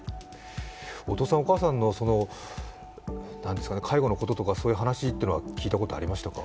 お父さん、お母さんの介護のこととかそういう話というのは聞いたことありましたか？